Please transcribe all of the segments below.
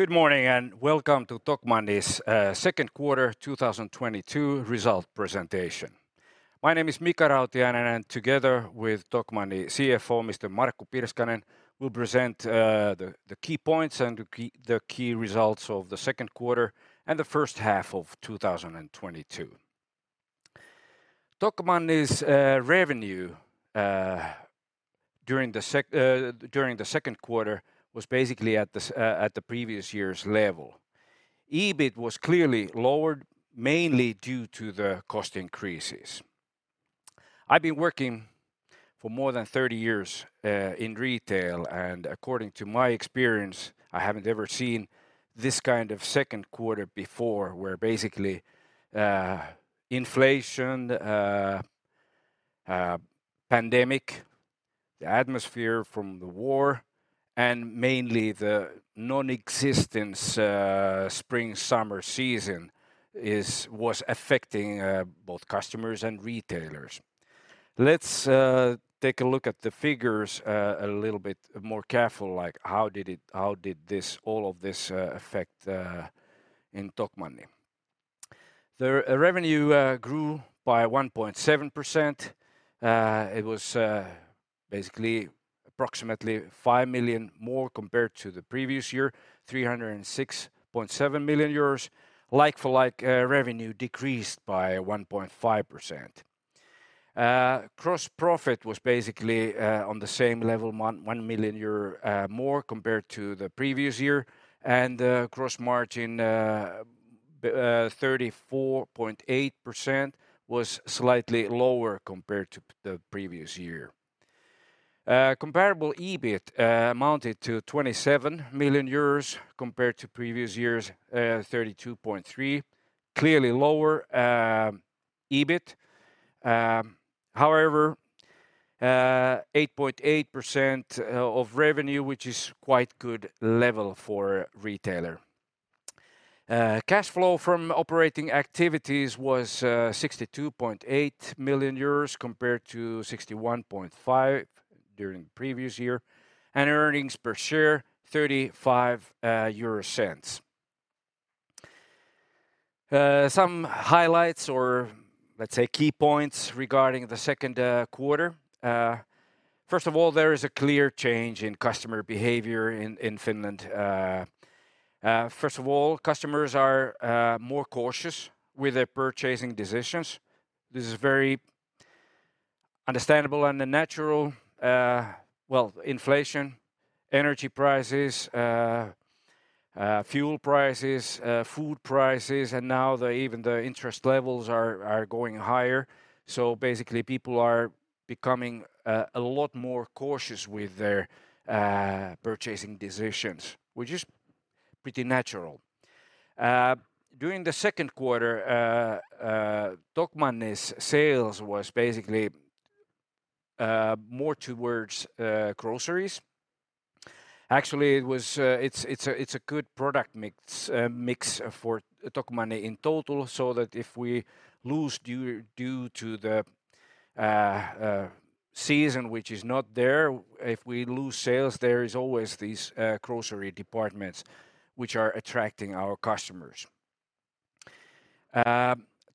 Good morning, welcome to Tokmanni's Second Quarter 2022 Result Presentation. My name is Mika Rautiainen, and together with Tokmanni CFO, Mr. Markku Pirskanen, we'll present the key points and the key results of the second quarter and the first half of 2022. Tokmanni's revenue during the second quarter was basically at the previous year's level. EBIT was clearly lowered mainly due to the cost increases. I've been working for more than 30 years in retail, and according to my experience, I haven't ever seen this kind of second quarter before, where basically inflation, pandemic, the atmosphere from the war, and mainly the non-existence spring/summer season was affecting both customers and retailers. Let's take a look at the figures a little bit more careful, like how did it. How did this, all of this, affect Tokmanni. The revenue grew by 1.7%. It was basically approximately 5 million more compared to the previous year, 306.7 million euros. Like-for-like revenue decreased by 1.5%. Gross profit was basically on the same level, 1 million euro more compared to the previous year. Gross margin 34.8% was slightly lower compared to the previous year. Comparable EBIT amounted to 27 million euros compared to previous year's 32.3 million. Clearly lower EBIT. However, 8.8% of revenue, which is quite good level for retailer. Cash flow from operating activities was 62.8 million euros compared to 61.5 million during the previous year. Earnings per share, 0.35. Some highlights, or let's say key points regarding the second quarter. First of all, there is a clear change in customer behavior in Finland. First of all, customers are more cautious with their purchasing decisions. This is very understandable and a natural. Well, inflation, energy prices, fuel prices, food prices, and now even the interest levels are going higher. Basically, people are becoming a lot more cautious with their purchasing decisions, which is pretty natural. During the second quarter, Tokmanni's sales was basically more towards groceries. Actually, it's a good product mix for Tokmanni in total, so that if we lose due to the season, which is not there, if we lose sales, there is always these grocery departments which are attracting our customers.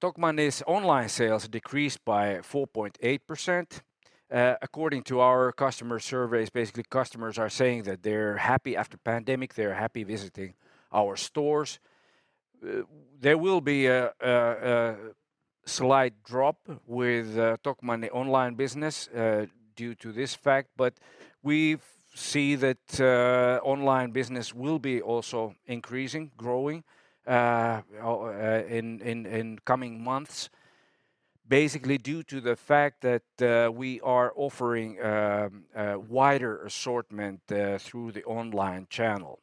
Tokmanni's online sales decreased by 4.8%. According to our customer surveys, basically customers are saying that they're happy after pandemic. They're happy visiting our stores. There will be a slight drop with Tokmanni online business due to this fact, but we've seen that online business will be also increasing, growing in coming months, basically due to the fact that we are offering a wider assortment through the online channel.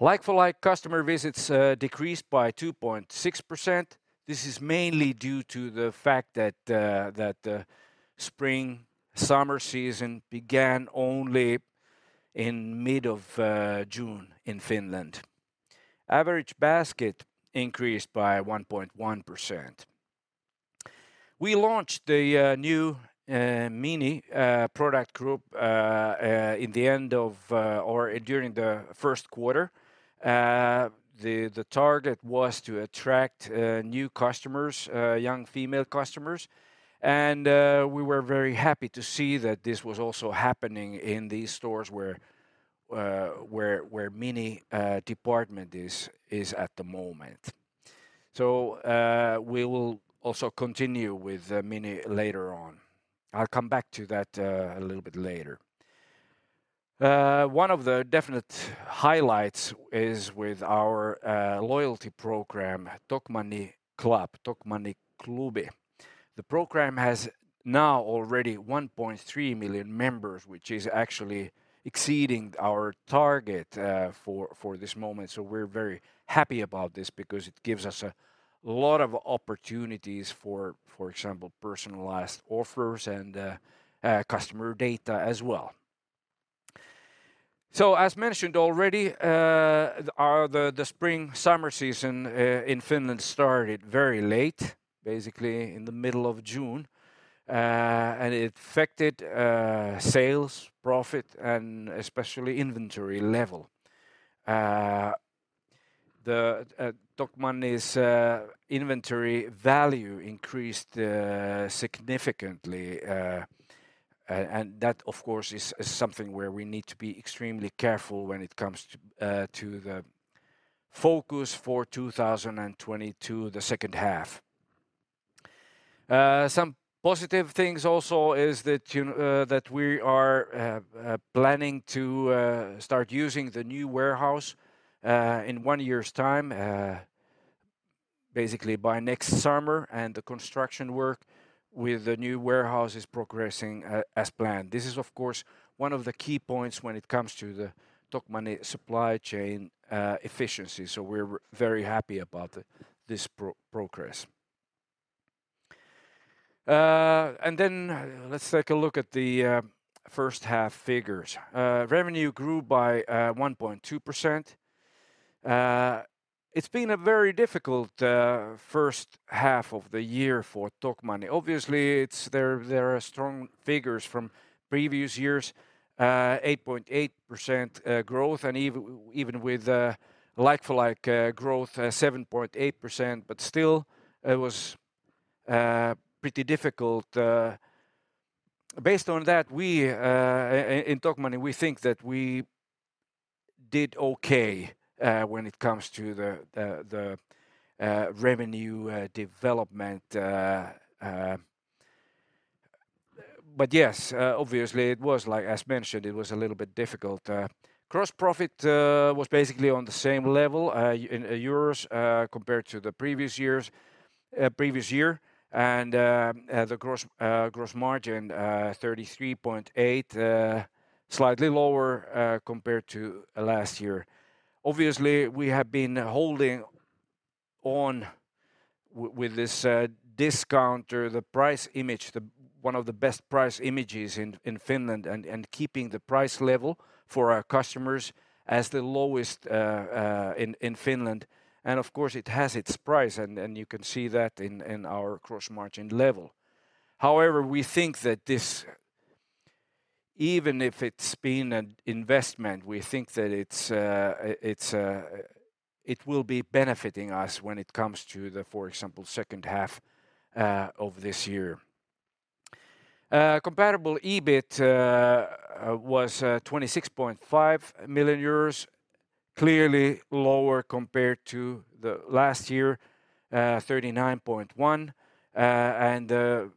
Like-for-like customer visits decreased by 2.6%. This is mainly due to the fact that the spring/summer season began only in mid of June in Finland. Average basket increased by 1.1%. We launched the new Miny product group during the first quarter. The target was to attract new customers, young female customers, and we were very happy to see that this was also happening in these stores where Miny department is at the moment. We will also continue with Miny later on. I'll come back to that a little bit later. One of the definite highlights is with our loyalty program, Tokmanni Club, Tokmanni Klubi. The program has now already 1.3 million members, which is actually exceeding our target for this moment. We're very happy about this because it gives us a lot of opportunities for example, personalized offers and customer data as well. As mentioned already, the spring/summer season in Finland started very late, basically in the middle of June, and it affected sales, profit, and especially inventory level. The Tokmanni's inventory value increased significantly. That, of course, is something where we need to be extremely careful when it comes to the focus for 2022, the second half. Some positive things also is that, you know, that we are planning to start using the new warehouse in one year's time, basically by next summer, and the construction work with the new warehouse is progressing as planned. This is of course one of the key points when it comes to the Tokmanni supply chain efficiency, so we're very happy about this progress. Let's take a look at the first half figures. Revenue grew by 1.2%. It's been a very difficult first half of the year for Tokmanni. Obviously, there are strong figures from previous years, 8.8% growth and even with like-for-like growth 7.8%, but still it was pretty difficult. Based on that, we in Tokmanni think that we did okay when it comes to the revenue development. Yes, obviously it was like as mentioned, it was a little bit difficult. Gross profit was basically on the same level in euros compared to the previous year and the gross margin 33.8%, slightly lower compared to last year. Obviously, we have been holding on with this discount or the price image, one of the best price images in Finland and keeping the price level for our customers as the lowest in Finland and of course it has its price and you can see that in our gross margin level. However, we think that this, even if it's been an investment, we think that it will be benefiting us when it comes to, for example, second half of this year. Comparable EBIT was 26.5 million euros, clearly lower compared to the last year, 39.1 million.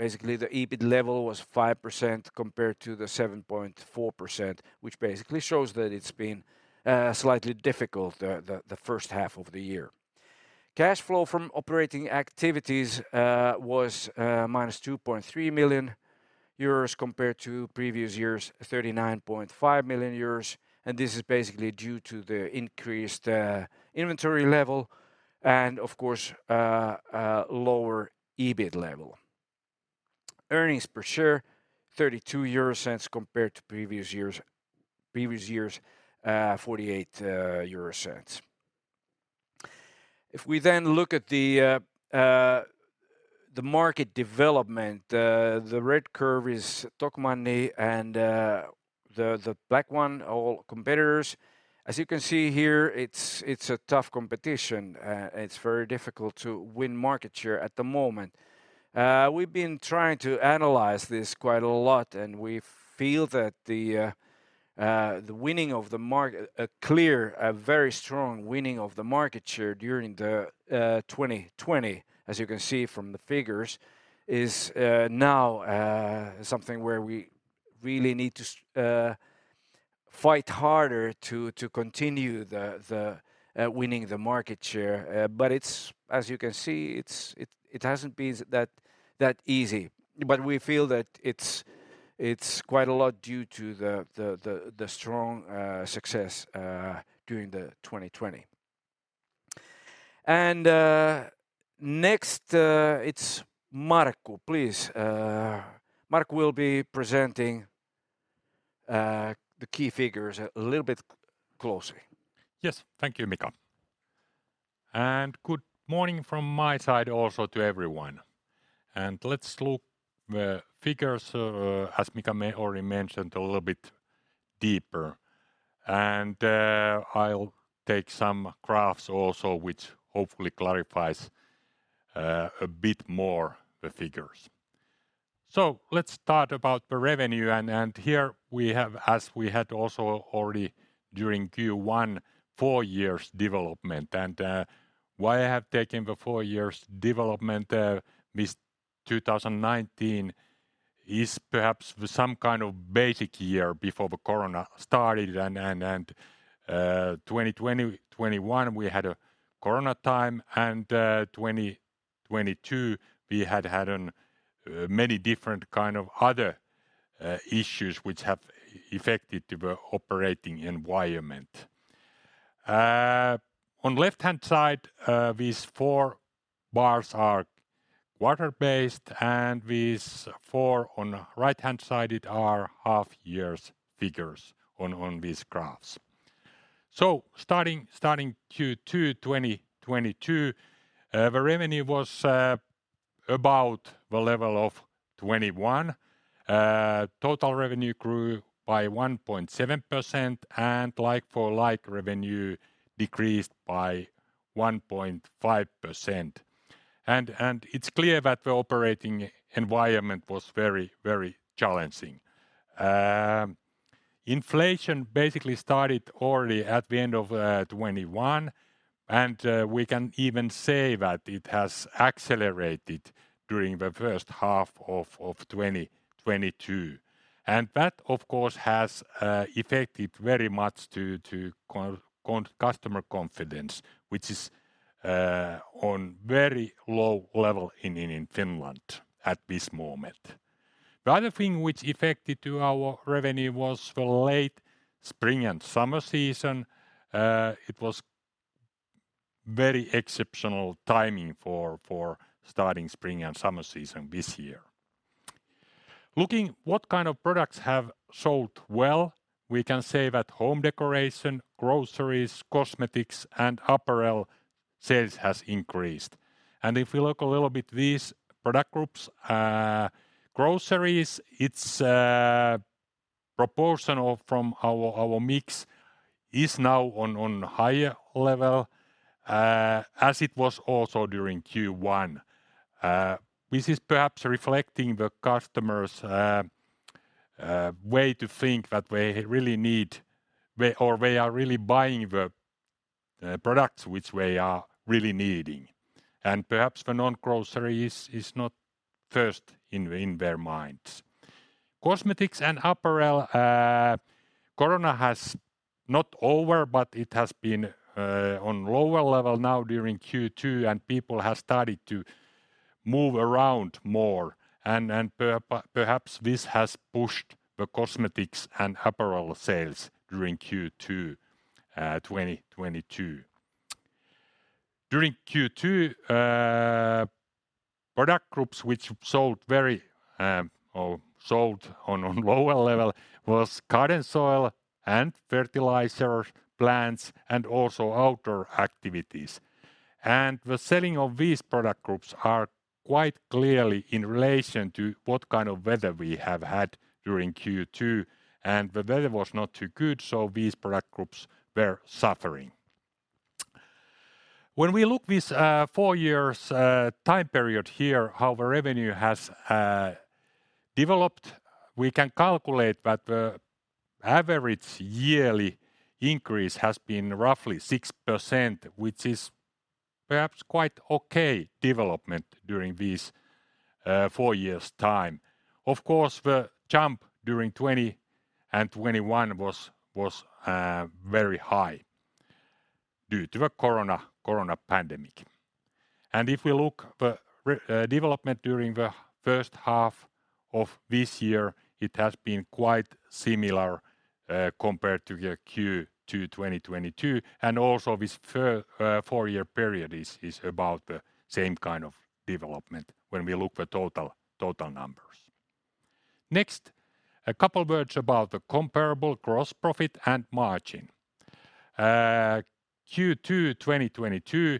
Basically the EBIT level was 5% compared to the 7.4%, which basically shows that it's been slightly difficult the first half of the year. Cash flow from operating activities was -2.3 million euros compared to previous years' 39.5 million euros, and this is basically due to the increased inventory level and of course lower EBIT level. Earnings per share 0.32 compared to previous years' 0.48. If we then look at the market development, the red curve is Tokmanni and the black one all competitors. As you can see here, it's a tough competition. It's very difficult to win market share at the moment. We've been trying to analyze this quite a lot and we feel that the winning of the market share during 2020, as you can see from the figures, is now something where we really need to fight harder to continue winning the market share. As you can see, it hasn't been that easy. We feel that it's quite a lot due to the strong success during 2020. Next, it's Markku, please. Markku will be presenting the key figures a little bit closely. Yes. Thank you, Mika. Good morning from my side also to everyone. Let's look the figures, as Mika may already mentioned a little bit deeper. I'll take some graphs also which hopefully clarifies a bit more the figures. Let's start about the revenue and here we have, as we had also already during Q1, four years development. Why I have taken the four years development, this 2019 is perhaps some kind of basic year before the corona started and 2020, 2021 we had a corona time and 2022 we had many different kind of other issues which have affected the operating environment. On left-hand side, these four bars are quarter based and these four on right-hand side are half years figures on these graphs. Starting Q2 2022, the revenue was about the level of 2021, total revenue grew by 1.7% and like-for-like revenue decreased by 1.5%. It's clear that the operating environment was very challenging. Inflation basically started already at the end of 2021, and we can even say that it has accelerated during the first half of 2022. That, of course, has affected very much to customer confidence, which is on very low level in Finland at this moment. The other thing which affected to our revenue was the late spring and summer season. It was very exceptional timing for starting spring and summer season this year. Looking at what kind of products have sold well, we can say that home decoration, groceries, cosmetics and apparel sales has increased. If you look a little bit at these product groups, groceries, the proportion of our mix is now on higher level, as it was also during Q1. This is perhaps reflecting the customers' way to think that we really need or we are really buying the products which we are really needing, and perhaps the non-grocery is not first in their minds. Cosmetics and apparel, corona is not over, but it has been on lower level now during Q2, and people have started to move around more and perhaps this has pushed the cosmetics and apparel sales during Q2 2022. During Q2, product groups which sold on lower level was garden soil and fertilizers, plants and also outdoor activities. The selling of these product groups are quite clearly in relation to what kind of weather we have had during Q2 and the weather was not too good, so these product groups were suffering. When we look this four years time period here, how the revenue has developed, we can calculate that the average yearly increase has been roughly 6%, which is perhaps quite okay development during these four years' time. Of course, the jump during 2020 and 2021 was very high due to the corona pandemic. If we look the development during the first half of this year, it has been quite similar, compared to the Q2 2022 and also this four-year period is about the same kind of development when we look the total numbers. Next, a couple words about the comparable gross profit and margin. Q2 2022,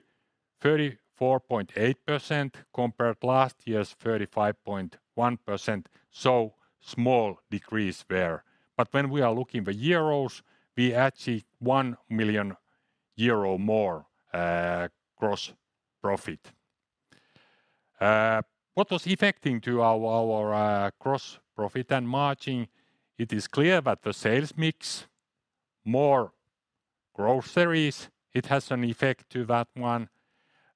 34.8% compared last year's 35.1%, so small decrease there. When we are looking the euros, we actually 1 million euro more gross profit. What was affecting to our gross profit and margin, it is clear that the sales mix more groceries, it has an effect to that one.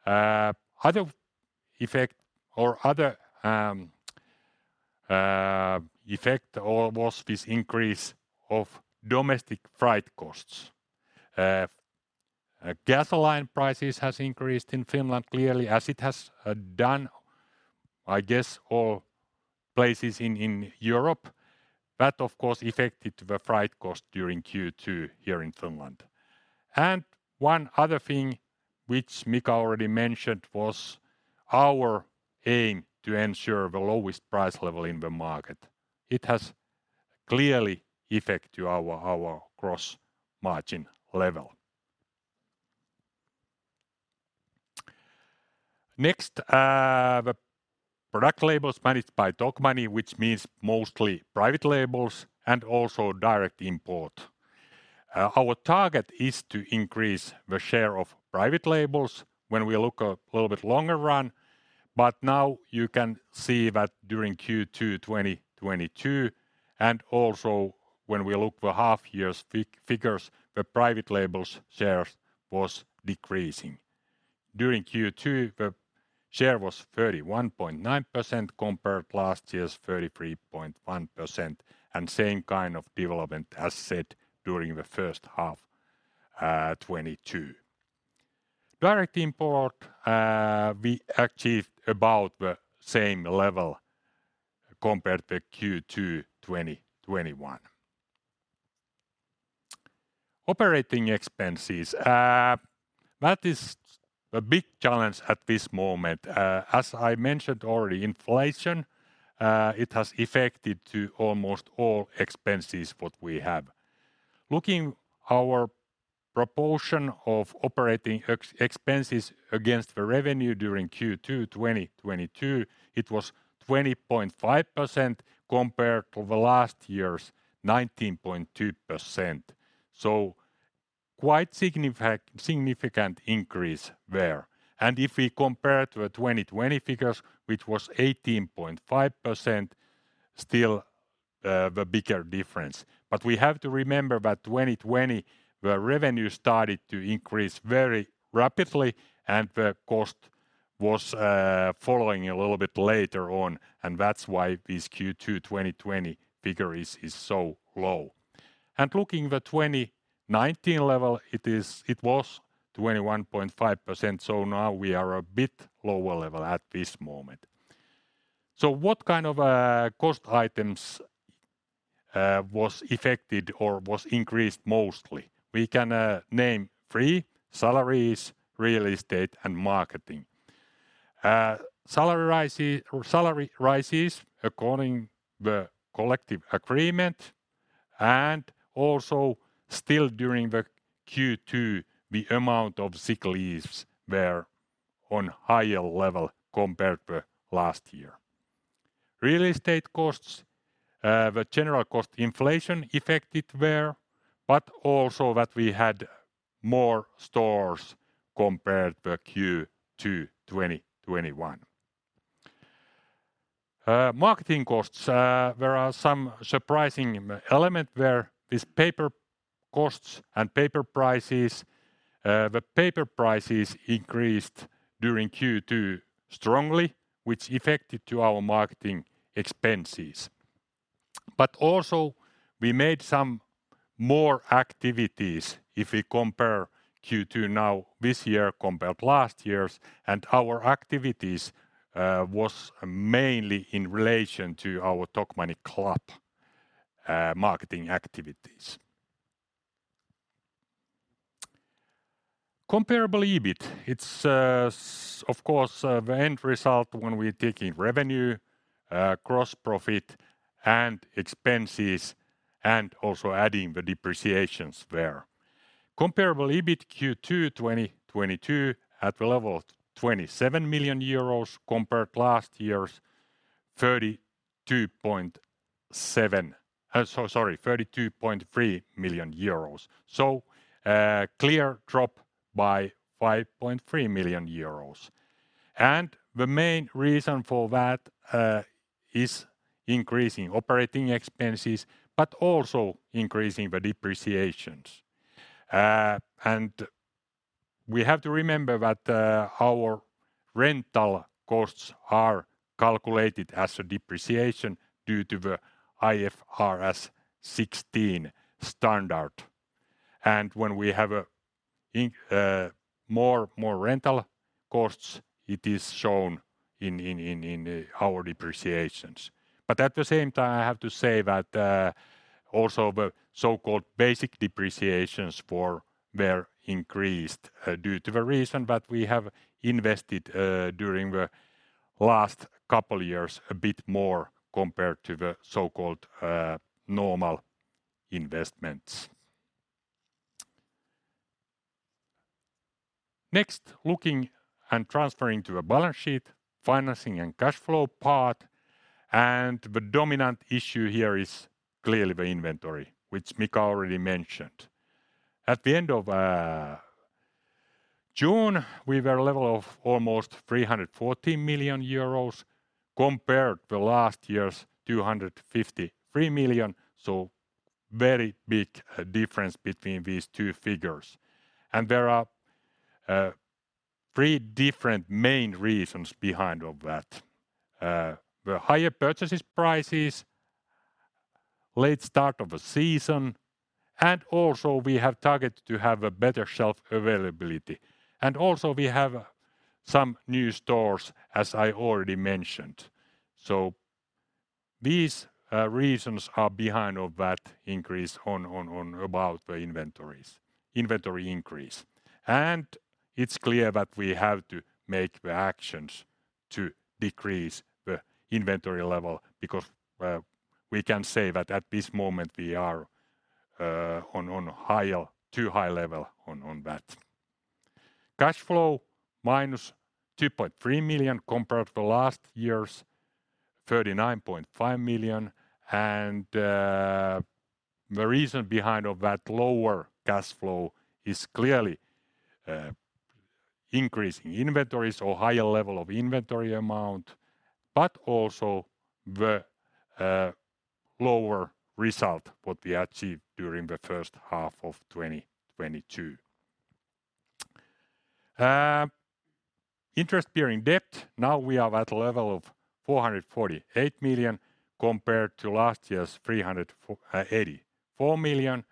Other effect was this increase of domestic freight costs. Gasoline prices has increased in Finland clearly as it has done, I guess all places in Europe, but of course affected the freight cost during Q2 here in Finland. One other thing which Mika already mentioned was our aim to ensure the lowest price level in the market. It has clearly effect to our gross margin level. Next, the product labels managed by Tokmanni, which means mostly private labels and also direct import. Our target is to increase the share of private labels when we look a little bit longer run, but now you can see that during Q2 2022, and also when we look the half year's figures, the private labels shares was decreasing. During Q2, the share was 31.9% compared to last year's 33.1%, and same kind of development as said during the first half 2022. Direct import, we achieved about the same level compared to Q2 2021. Operating expenses. That is a big challenge at this moment. As I mentioned already, inflation, it has affected to almost all expenses what we have. Looking at our proportion of operating expenses against the revenue during Q2 2022, it was 20.5% compared to last year's 19.2%. So quite significant increase there. If we compare to the 2020 figures, which was 18.5%, still the bigger difference. We have to remember that 2020, the revenue started to increase very rapidly, and the cost was following a little bit later on, and that's why this Q2 2020 figure is so low. Looking at the 2019 level, it was 21.5%, so now we are a bit lower level at this moment. What kind of cost items was affected or was increased mostly? We can name three, salaries, real estate and marketing. Salary rises according to the collective agreement and also still during the Q2, the amount of sick leaves were on higher level compared to last year. Real estate costs, the general cost inflation affected there, but also that we had more stores compared to Q2 2021. Marketing costs, there are some surprising element where these paper costs and paper prices. The paper prices increased during Q2 strongly, which affected our marketing expenses. We made some more activities if we compare Q2 now this year compared last year's and our activities was mainly in relation to our Tokmanni Club marketing activities. Comparable EBIT, it's of course the end result when we take in revenue, gross profit and expenses and also adding the depreciations there. Comparable EBIT Q2 2022 at the level of 27 million euros compared to last year's 32.3 million euros. A clear drop by 5.3 million euros. The main reason for that is increasing operating expenses, but also increasing the depreciations. We have to remember that our rental costs are calculated as a depreciation due to the IFRS 16 standard. When we have more rental costs, it is shown in our depreciations. But at the same time, I have to say that also the so-called basic depreciations were increased due to the reason that we have invested during the last couple years a bit more compared to the so-called normal investments. Next, looking and transferring to the balance sheet, financing and cash flow part. The dominant issue here is clearly the inventory, which Mika already mentioned. At the end of June, we were level of almost 314 million euros compared to last year's 253 million, so very big difference between these two figures. There are three different main reasons behind of that. The higher purchase prices, late start of a season, and also we have targeted to have a better shelf availability. Also we have some new stores, as I already mentioned. These reasons are behind of that increase on about the inventories, inventory increase. It's clear that we have to make the actions to decrease the inventory level because we can say that at this moment we are on higher, too high level on that. Cash flow -2.3 million compared to last year's 39.5 million and the reason behind of that lower cash flow is clearly increase in inventories or higher level of inventory amount, but also the lower result what we achieved during the first half of 2022. Interest bearing debt. Now we are at a level of 448 million compared to last year's 384 million.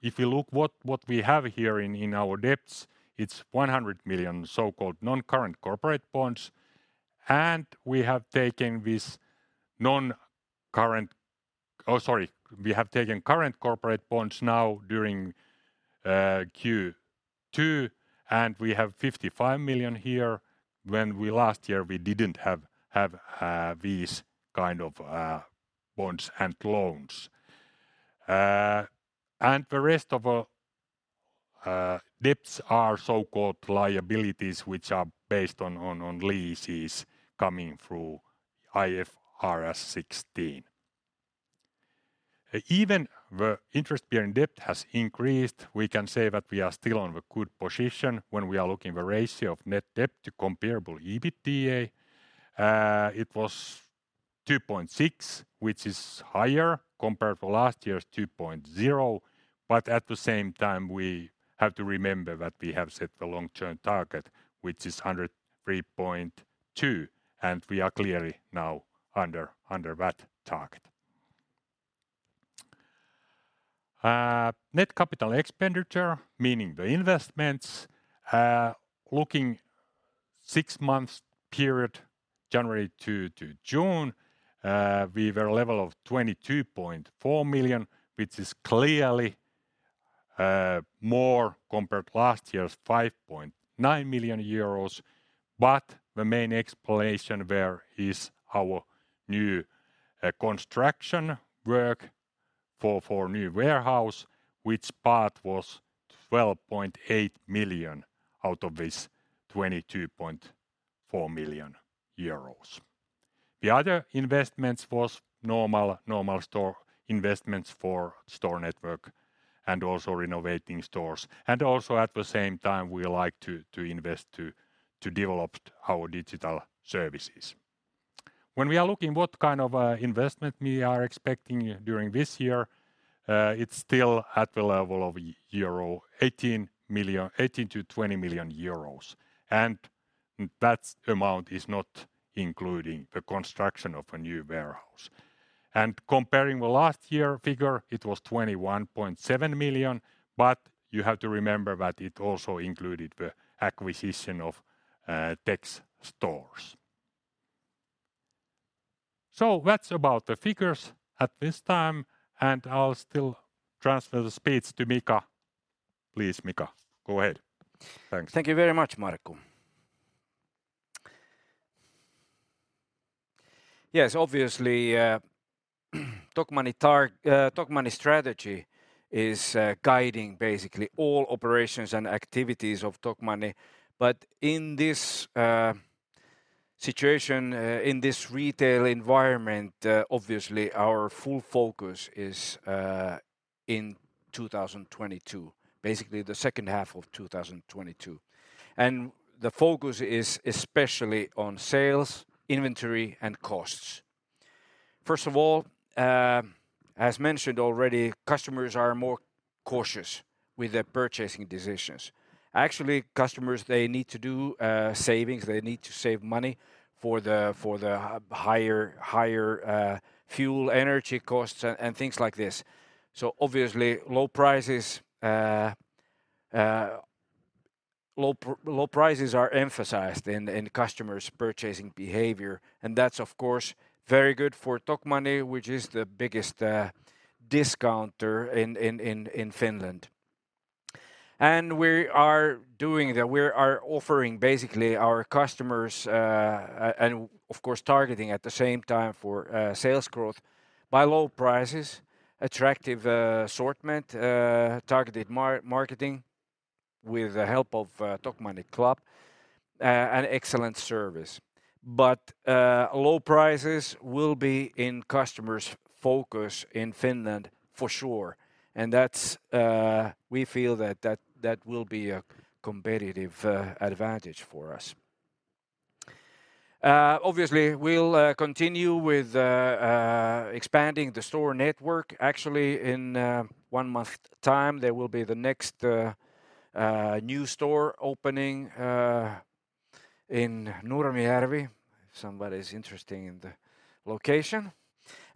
If you look at what we have here in our debts, it's 100 million so-called non-current corporate bonds. We have taken current corporate bonds now during Q2, and we have 55 million here. Last year we didn't have these kind of bonds and loans. The rest of our debts are so-called liabilities, which are based on leases coming through IFRS 16. Even the interest bearing debt has increased, we can say that we are still on the good position when we are looking at the ratio of net debt to comparable EBITDA. It was 2.6, which is higher compared to last year's 2.0. At the same time, we have to remember that we have set the long-term target, which is 103.2, and we are clearly now under that target. Net capital expenditure, meaning the investments, looking six months period, January to June, we were level of 22.4 million, which is clearly more compared to last year's 5.9 million euros. The main explanation there is our new construction work for new warehouse, which part was 12.8 million out of this 22.4 million euros. The other investments was normal store investments for store network and also renovating stores. Also at the same time, we like to invest to develop our digital services. When we are looking what kind of investment we are expecting during this year, it's still at the level of 18 million-20 million euros. That amount is not including the construction of a new warehouse. Comparing the last year figure, it was 21.7 million, but you have to remember that it also included the acquisition of TEX stores. That's about the figures at this time, and I'll still transfer the speech to Mika. Please, Mika, go ahead. Thanks. Thank you very much, Markku. Yes, obviously, Tokmanni strategy is guiding basically all operations and activities of Tokmanni. In this situation, in this retail environment, obviously, our full focus is in 2022, basically the second half of 2022. The focus is especially on sales, inventory, and costs. First of all, as mentioned already, customers are more cautious with their purchasing decisions. Actually, customers, they need to do savings. They need to save money for the higher fuel, energy costs and things like this. Obviously, low prices are emphasized in customers' purchasing behavior, and that's, of course, very good for Tokmanni, which is the biggest discounter in Finland. We are doing that. We are offering basically our customers, and of course targeting at the same time for sales growth by low prices, attractive assortment, targeted marketing with the help of Tokmanni Club, and excellent service. Low prices will be in customers' focus in Finland for sure. We feel that will be a competitive advantage for us. Obviously, we'll continue with expanding the store network. Actually, in one month time, there will be the next new store opening in Nurmijärvi, if somebody's interested in the location.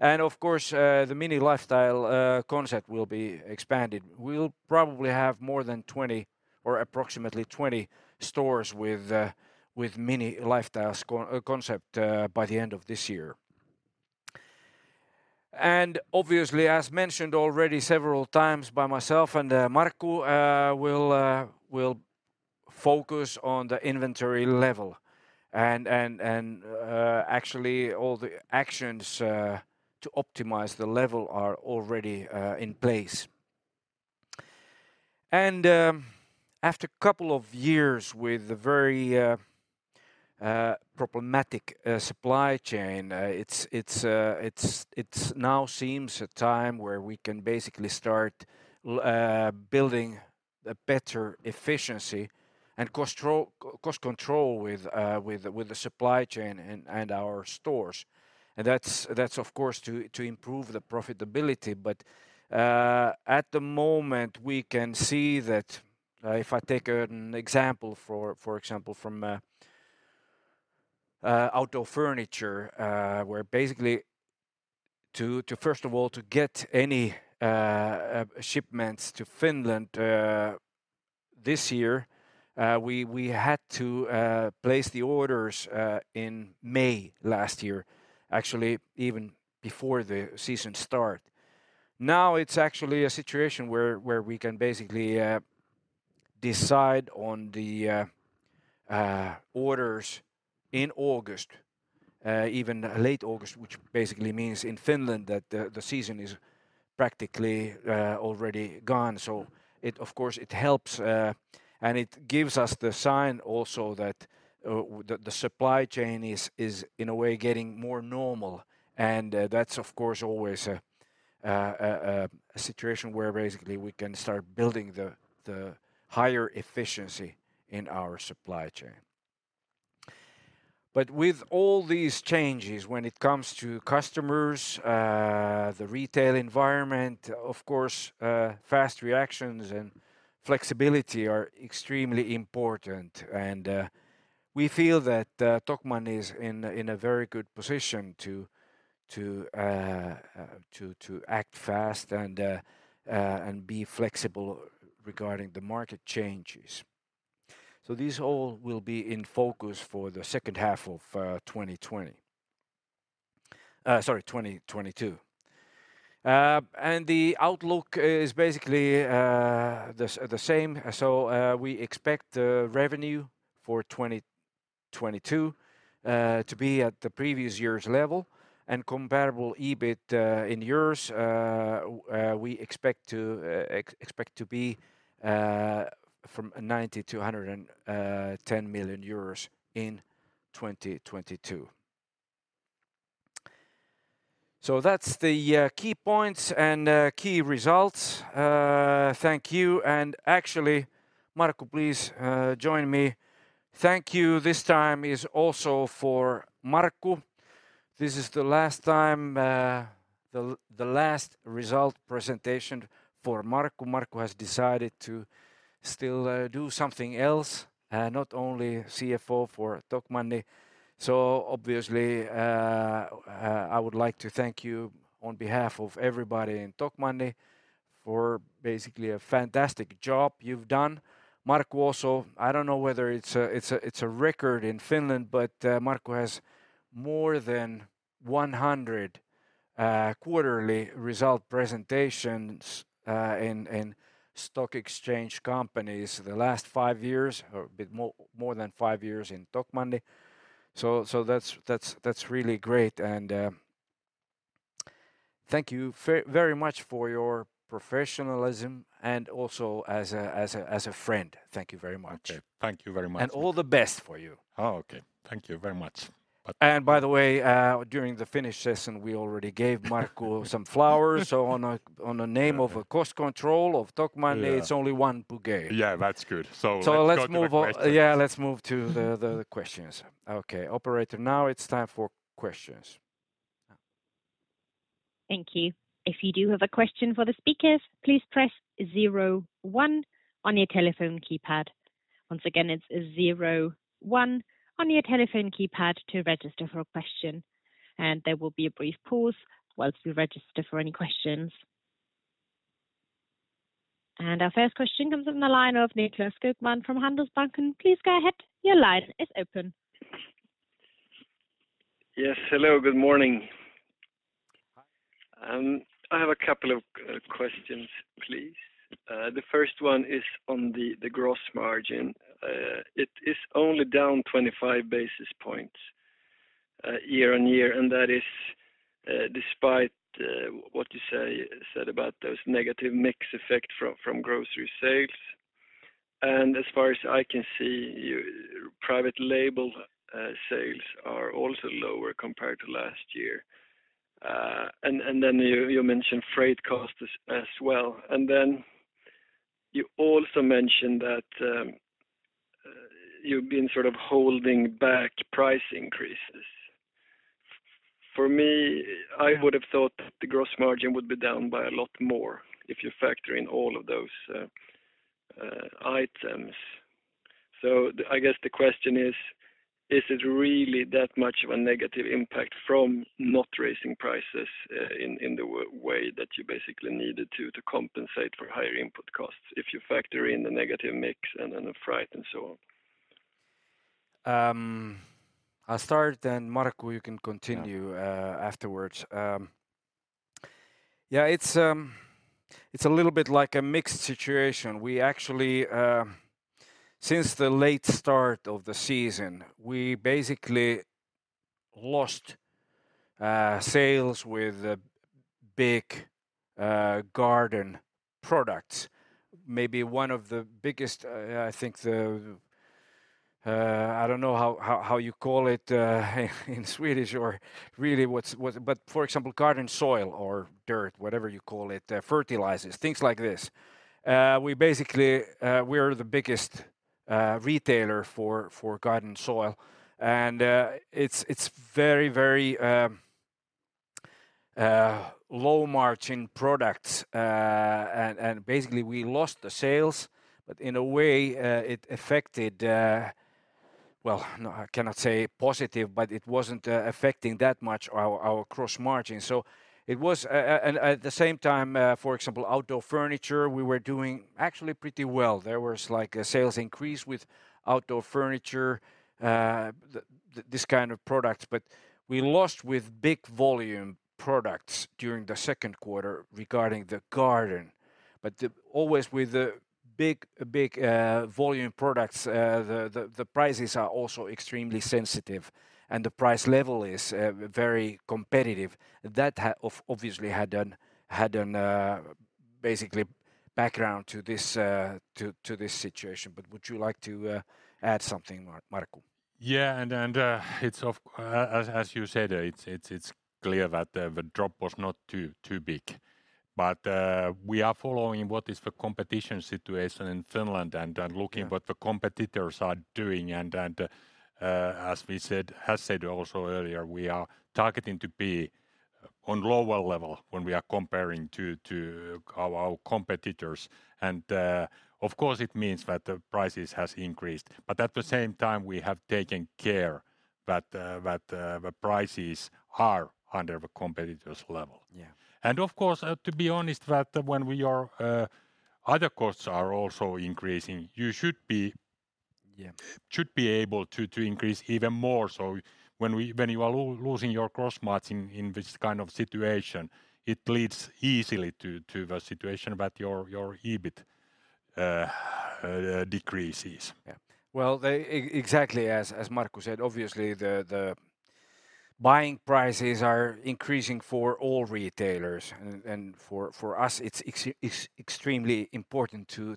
Of course, the Miny lifestyle concept will be expanded. We'll probably have more than 20 or approximately 20 stores with Miny lifestyle concept by the end of this year. Obviously, as mentioned already several times by myself and Markku, we'll focus on the inventory level and actually all the actions to optimize the level are already in place. After a couple of years with a very problematic supply chain, it now seems a time where we can basically start building a better efficiency and cost control with the supply chain and our stores. That's of course to improve the profitability. At the moment, we can see that if I take an example, for example, from outdoor furniture, where basically first of all, to get any shipments to Finland this year, we had to place the orders in May last year, actually even before the season start. Now it's actually a situation where we can basically decide on the orders in August, even late August, which basically means in Finland that the season is practically already gone. Of course, it helps and it gives us the sign also that the supply chain is in a way getting more normal. That's of course always a situation where basically we can start building the higher efficiency in our supply chain. With all these changes, when it comes to customers, the retail environment, of course, fast reactions and flexibility are extremely important. We feel that Tokmanni is in a very good position to act fast and be flexible regarding the market changes. These all will be in focus for the second half of 2020. Sorry, 2022. The outlook is basically the same. We expect the revenue for 2022 to be at the previous year's level and comparable EBIT in euros. We expect to be 90 million-110 million euros in 2022. That's the key points and key results. Thank you. Actually, Markku, please join me. Thank you, this time is also for Markku. This is the last time, the last result presentation for Markku. Markku has decided to still do something else, not only CFO for Tokmanni. Obviously, I would like to thank you on behalf of everybody in Tokmanni for basically a fantastic job you've done. Markku also, I don't know whether it's a record in Finland, but Markku has more than 100 quarterly result presentations in stock exchange companies the last five years, or a bit more, more than five years in Tokmanni. That's really great. Thank you very much for your professionalism and also as a friend. Thank you very much. Okay. Thank you very much. All the best for you. Oh, okay. Thank you very much. By the way, during the Finnish session, we already gave Markku some flowers. In the name of cost control of Tokmanni- Yeah. It's only one bouquet. Yeah, that's good. Let's go to the questions. Let's move on. Yeah, let's move to the questions. Okay. Operator, now it's time for questions. Thank you. If you do have a question for the speakers, please press zero one on your telephone keypad. Once again, it's zero one on your telephone keypad to register for a question. There will be a brief pause while we register for any questions. Our first question comes from the line of Nicklas Skogman from Handelsbanken. Please go ahead. Your line is open. Yes. Hello, good morning. Hi. I have a couple of questions, please. The first one is on the gross margin. It is only down 25 basis points year-on-year, and that is despite what you said about those negative mix effect from grocery sales. As far as I can see, your private label sales are also lower compared to last year. Then you mentioned freight costs as well. Then you also mentioned that you've been sort of holding back price increases. For me, I would have thought the gross margin would be down by a lot more if you factor in all of those items. I guess the question is it really that much of a negative impact from not raising prices in the way that you basically needed to compensate for higher input costs if you factor in the negative mix and then the freight and so on? I'll start, then Markku you can continue. Yeah... afterwards. Yeah, it's a little bit like a mixed situation. We actually, since the late start of the season, we basically lost sales with the big garden products. Maybe one of the biggest, I think the, I don't know how you call it in Swedish or really what's what. For example, garden soil or dirt, whatever you call it, fertilizers, things like this. We basically, we're the biggest retailer for garden soil and it's very low-margin products. And basically we lost the sales, but in a way it affected. Well, no, I cannot say positive, but it wasn't affecting that much our gross margin. It was, at the same time, for example, outdoor furniture, we were doing actually pretty well. There was, like, a sales increase with outdoor furniture, this kind of products. But we lost with big volume products during the second quarter regarding the garden. But always with the big volume products, the prices are also extremely sensitive and the price level is very competitive. That obviously had a basically background to this situation. But would you like to add something, Markku? Yeah. As you said, it's clear that the drop was not too big. We are following what is the competition situation in Finland and looking- Yeah What the competitors are doing. He's said also earlier, we are targeting to be on lower level when we are comparing to our competitors. Of course it means that the prices has increased, but at the same time we have taken care that the prices are under the competitors' level. Yeah. Of course, to be honest, other costs are also increasing, you should be- Yeah should be able to increase even more. When you are losing your gross margin in this kind of situation, it leads easily to the situation that your EBIT decreases. Yeah. Well, exactly as Markku said, obviously the buying prices are increasing for all retailers and for us it's extremely important to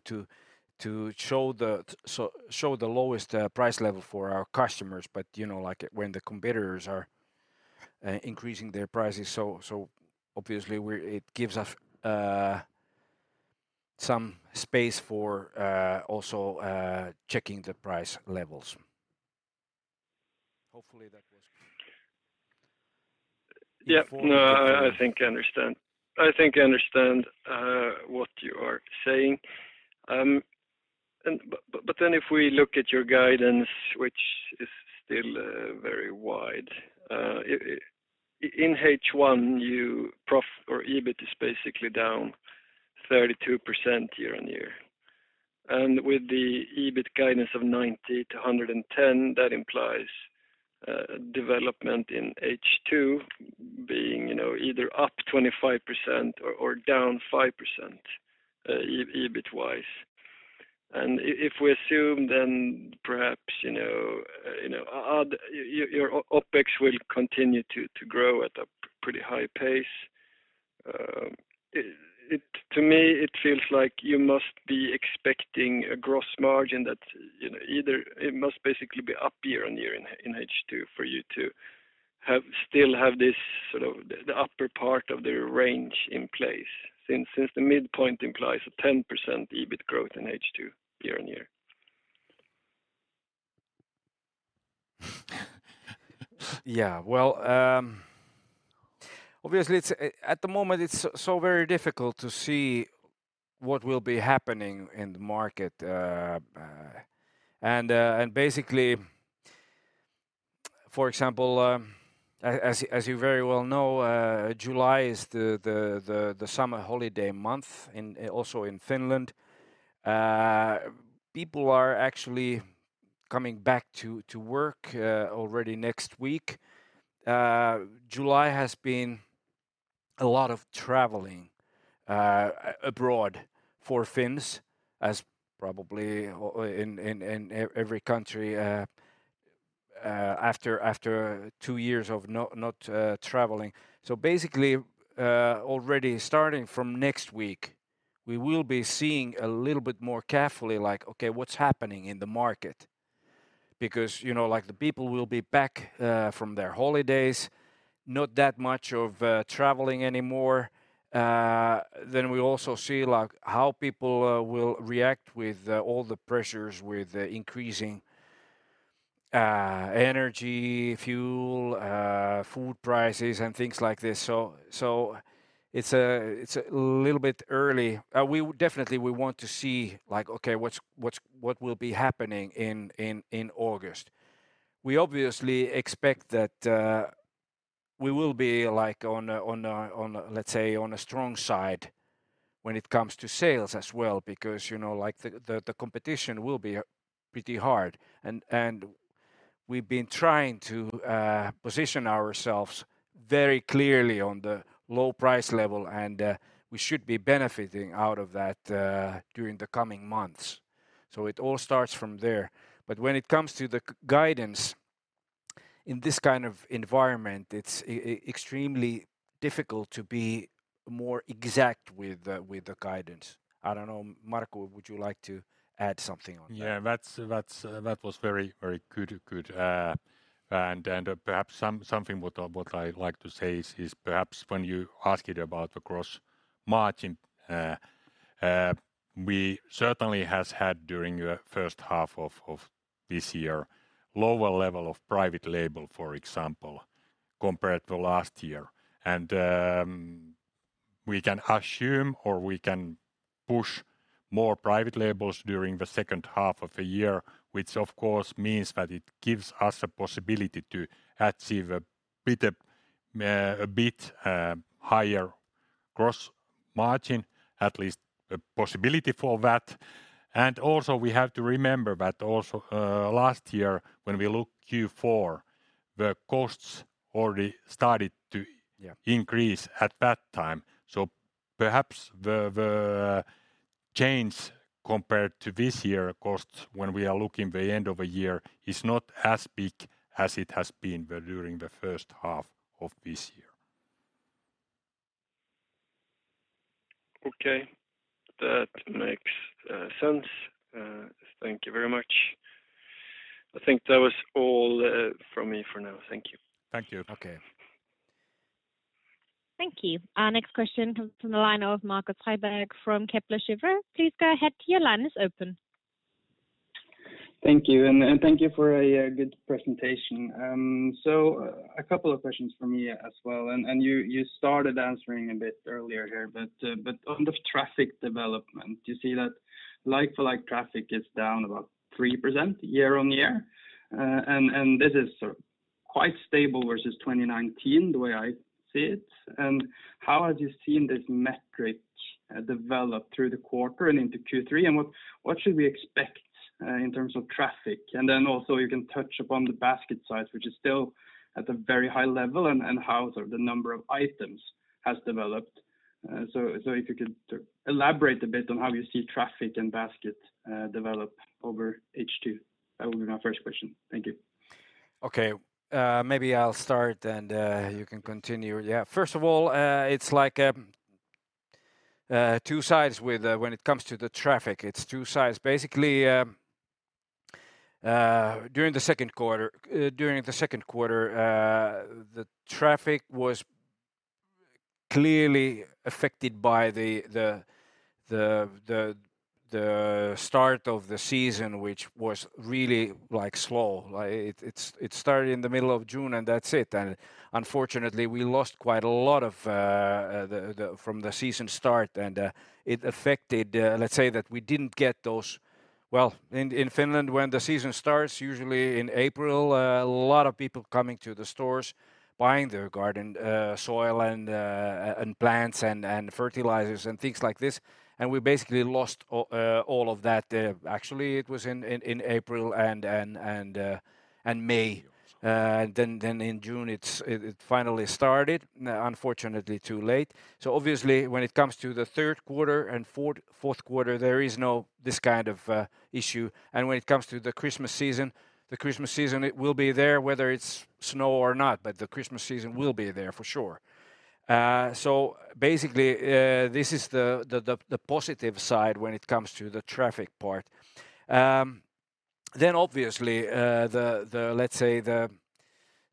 show the lowest price level for our customers. You know, like when the competitors are increasing their prices, obviously it gives us some space for also checking the price levels. Hopefully that was Yeah. No, I think I understand what you are saying. If we look at your guidance, which is still very wide in H1, your profit or EBIT is basically down 32% year-on-year. With the EBIT guidance of 90-110, that implies development in H2 being you know either up 25% or down 5% EBIT-wise. If we assume then perhaps you know your OpEx will continue to grow at a pretty high pace, to me it feels like you must be expecting a gross margin that's you know either it must basically be up year-on-year in H2 for you to have still have this sort of the upper part of the range in place since the midpoint implies a 10% EBIT growth in H2 year-on-year. Yeah. Well, obviously, at the moment it's so very difficult to see what will be happening in the market. Basically, for example, as you very well know, July is the summer holiday month also in Finland. People are actually coming back to work already next week. July has been a lot of traveling abroad for Finns, as probably in every country, after two years of no traveling. Basically, already starting from next week, we will be seeing a little bit more carefully like, okay, what's happening in the market because, you know, like the people will be back from their holidays, not that much of traveling anymore. We also see like how people will react with all the pressures with increasing energy, fuel, food prices and things like this. It's a little bit early. We definitely want to see like, okay, what will be happening in August. We obviously expect that we will be like on a, let's say on a strong side when it comes to sales as well because, you know, like the competition will be pretty hard and we've been trying to position ourselves very clearly on the low price level, and we should be benefiting out of that during the coming months. It all starts from there. When it comes to the guidance, in this kind of environment, it's extremely difficult to be more exact with the guidance. I don't know, Markku, would you like to add something on that? Yeah. That's that was very good. Good. Perhaps something what I like to say is perhaps when you asked about the gross margin, we certainly has had during the first half of this year lower level of private label, for example, compared to last year. We can assume or we can push more private labels during the second half of the year, which of course means that it gives us a possibility to achieve a bit higher gross margin, at least a possibility for that. We have to remember that also last year when we look Q4, the costs already started to. Yeah Increase at that time. Perhaps the change compared to this year's costs when we are looking at the end of the year is not as big as it has been during the first half of this year. Okay. That makes sense. Thank you very much. I think that was all from me for now. Thank you. Thank you. Okay. Thank you. Our next question comes from the line of Markus Heiberg from Kepler Cheuvreux. Please go ahead. Your line is open. Thank you. Thank you for a good presentation. A couple of questions from me as well. You started answering a bit earlier here, but on the traffic development, you see that like-for-like traffic is down about 3% year-on-year. This is quite stable versus 2019, the way I see it. How have you seen this metric develop through the quarter and into Q3? What should we expect in terms of traffic? Also you can touch upon the basket size, which is still at a very high level, and how the number of items has developed. If you could elaborate a bit on how you see traffic and basket develop over H2. That would be my first question. Thank you. Okay. Maybe I'll start and you can continue. Yeah. First of all, it's like two sides with, when it comes to the traffic. It's two sides. Basically, during the second quarter, the traffic was clearly affected by the start of the season, which was really, like, slow. Like it started in the middle of June, and that's it. Unfortunately, we lost quite a lot of the from the season start, and it affected. Let's say that we didn't get those. Well, in Finland, when the season starts, usually in April, a lot of people coming to the stores, buying their garden soil and plants and fertilizers and things like this. We basically lost all of that. Actually, it was in April and May. In June, it finally started, unfortunately too late. Obviously, when it comes to the third quarter and fourth quarter, there is no this kind of issue. When it comes to the Christmas season, it will be there whether it's snow or not, but the Christmas season will be there for sure. Basically, this is the positive side when it comes to the traffic part. Obviously,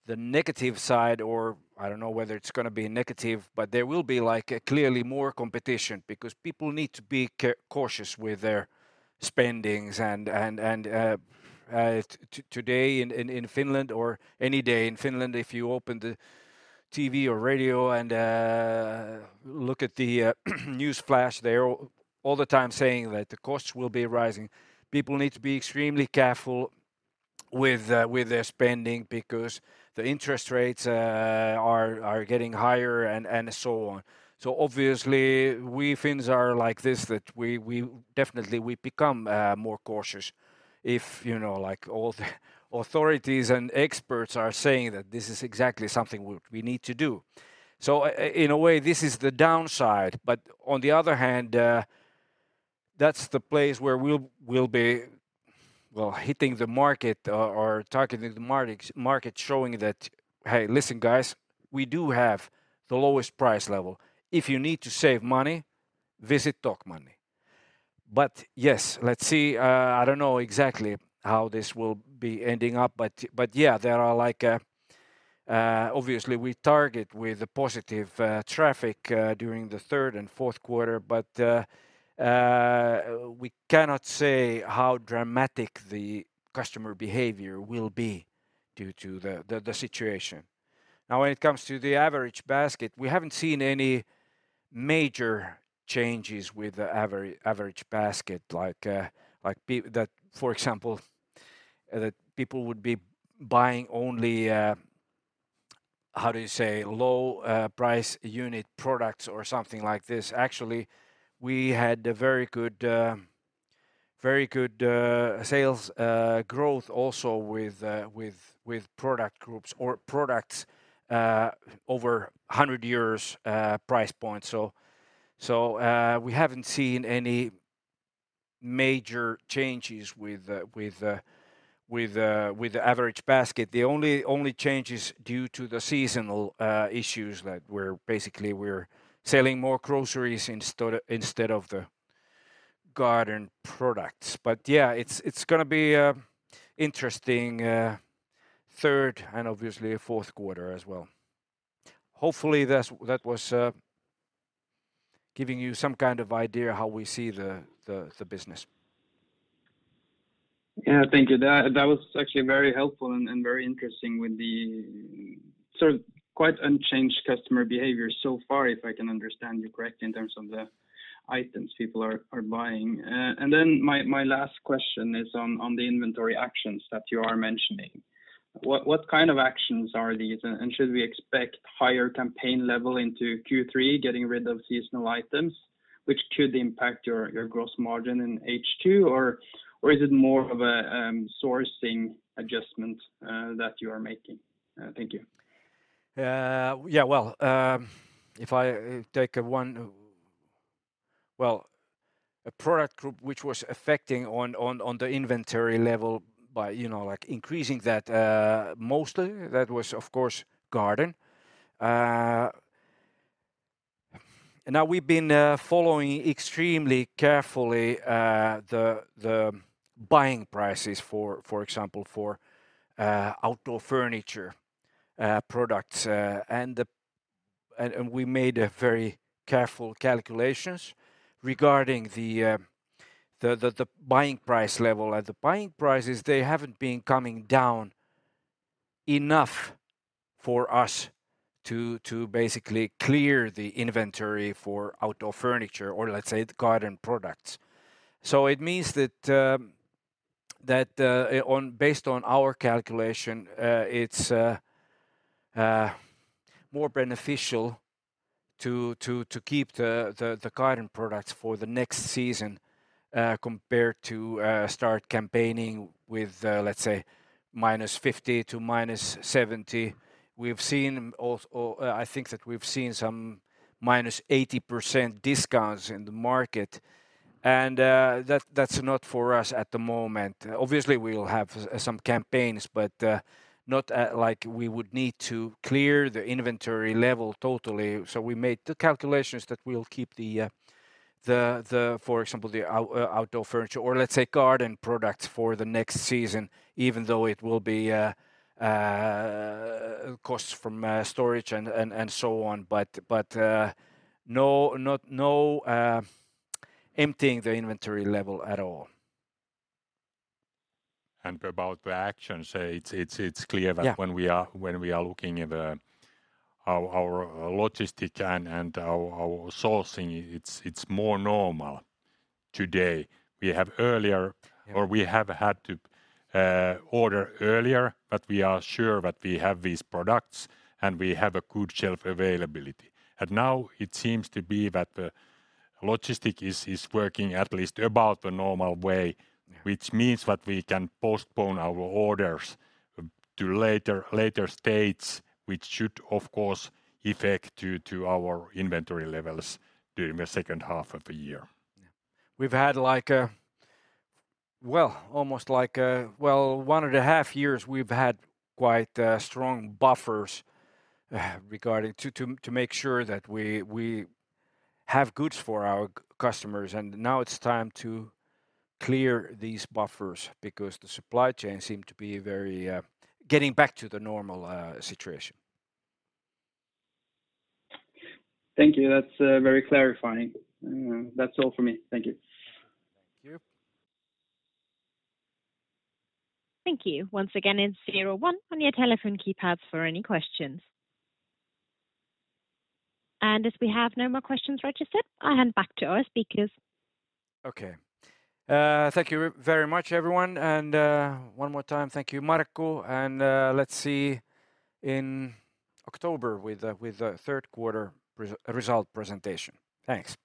the negative side or I don't know whether it's gonna be negative, but there will be like clearly more competition because people need to be cautious with their spending and today in Finland or any day in Finland, if you open the TV or radio and look at the news flash, they're all the time saying that the costs will be rising. People need to be extremely careful with their spending because the interest rates are getting higher and so on. Obviously, we Finns are like this, that we definitely become more cautious if, you know, like all the authorities and experts are saying that this is exactly something we need to do. In a way, this is the downside. On the other hand, that's the place where we'll be, well, hitting the market or targeting the market, showing that, "Hey, listen guys, we do have the lowest price level. If you need to save money, visit Tokmanni." Yes, let's see. I don't know exactly how this will be ending up, but yeah, there are like... Obviously, we target with the positive traffic during the third and fourth quarter, but we cannot say how dramatic the customer behavior will be due to the situation. Now when it comes to the average basket, we haven't seen any major changes with the average basket like that, for example, that people would be buying only, how do you say, low price unit products or something like this. Actually, we had a very good sales growth also with product groups or products over 100 euros price point. We haven't seen any major changes with the average basket. The only change is due to the seasonal issues that we're basically selling more groceries instead of the garden products. Yeah, it's gonna be interesting third and obviously a fourth quarter as well. Hopefully, that was giving you some kind of idea how we see the business. Yeah. Thank you. That was actually very helpful and very interesting with the sort of quite unchanged customer behavior so far, if I can understand you correctly in terms of the items people are buying. My last question is on the inventory actions that you are mentioning. What kind of actions are these? Should we expect higher campaign level into Q3 getting rid of seasonal items which could impact your gross margin in H2, or is it more of a sourcing adjustment that you are making? Thank you. Yeah. Well, if I take a product group which was affecting on the inventory level by, you know, like increasing that, mostly that was, of course, garden. Now we've been following extremely carefully the buying prices for example, for outdoor furniture products. We made very careful calculations regarding the buying price level. At the buying prices, they haven't been coming down enough for us to basically clear the inventory for outdoor furniture or let's say the garden products. It means that based on our calculation, it's more beneficial to keep the garden products for the next season compared to start campaigning with let's say, -50% to -70%. I think that we've seen some -80% discounts in the market and that's not for us at the moment. Obviously, we'll have some campaigns, but not like we would need to clear the inventory level totally. We made the calculations that we'll keep the, for example, the outdoor furniture or let's say garden products for the next season, even though it will be costs from storage and so on. No, not emptying the inventory level at all. About the actions, it's clear that. Yeah When we are looking at our logistics and our sourcing, it's more normal today. We have had to order earlier, but we are sure that we have these products, and we have a good shelf availability. Now it seems to be that the logistics is working at least about the normal way. Yeah. Which means that we can postpone our orders to later dates, which should of course affect our inventory levels during the second half of the year. Yeah. We've had almost one and a half years, we've had quite strong buffers regarding to make sure that we have goods for our customers, and now it's time to clear these buffers because the supply chain seem to be very getting back to the normal situation. Thank you. That's very clarifying. That's all for me. Thank you. Thank you. Thank you. Once again, it's zero one on your telephone keypads for any questions. As we have no more questions registered, I'll hand back to our speakers. Okay. Thank you very much, everyone, and one more time, thank you, Markku. Let's see in October with the third quarter result presentation. Thanks. Thank you.